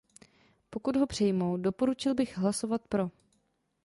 Pokud ho přijmou, doporučil bych hlasovat pro.